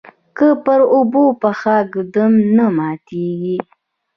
که پر اوبو پښه ږدم نه ماتیږي.